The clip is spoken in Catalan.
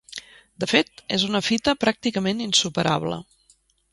De fet, és una fita pràcticament insuperable.